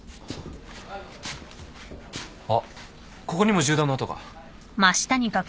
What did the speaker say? あっここにも銃弾の跡が。